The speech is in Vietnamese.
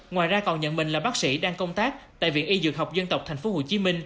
ngoài ra còn nhận mình là bác sĩ đang công tác tại viện y dược học dân tộc tp hcm